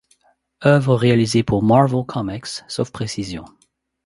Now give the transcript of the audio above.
Œuvres réalisées pour Marvel Comics sauf précision.